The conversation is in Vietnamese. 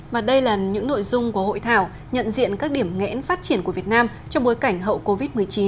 và đây là những nội dung của hội thảo nhận diện các điểm nghẽn phát triển của việt nam trong bối cảnh hậu covid một mươi chín